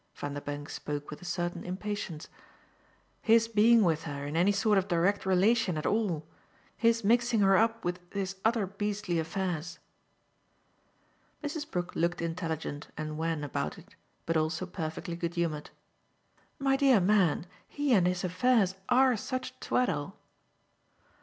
Vanderbank spoke with a certain impatience. "His being with her in any sort of direct relation at all. His mixing her up with his other beastly affairs." Mrs. Brook looked intelligent and wan about it, but also perfectly good humoured. "My dear man, he and his affairs ARE such twaddle!"